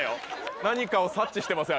何かを察知してます